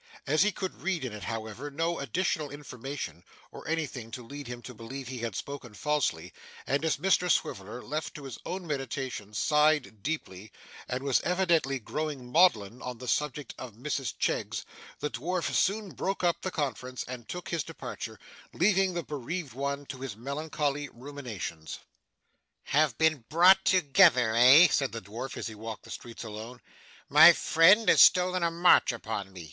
As he could read in it, however, no additional information or anything to lead him to believe he had spoken falsely; and as Mr Swiveller, left to his own meditations, sighed deeply, and was evidently growing maudlin on the subject of Mrs Cheggs; the dwarf soon broke up the conference and took his departure, leaving the bereaved one to his melancholy ruminations. 'Have been brought together, eh?' said the dwarf as he walked the streets alone. 'My friend has stolen a march upon me.